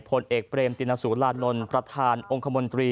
พลเอกเปรยุจจันทร์โอชานายกรัฐมนตรีพลเอกเปรยุจจันทร์โอชานายกรัฐมนตรี